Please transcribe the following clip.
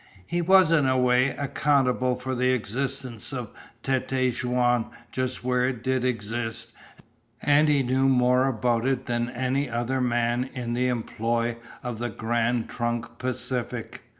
He was, in a way, accountable for the existence of Tête Jaune just where it did exist, and he knew more about it than any other man in the employ of the Grand Trunk Pacific.